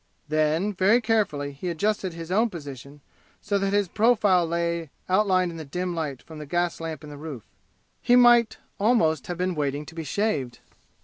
Then, very carefully he adjusted his own position so that his profile lay outlined in the dim light from the gas lamp in the roof. He might almost have been waiting to be shaved.